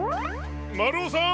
まるおさん！